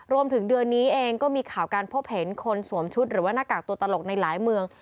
เดือนนี้เองก็มีข่าวการพบเห็นคนสวมชุดหรือว่าหน้ากากตัวตลกในหลายเมือง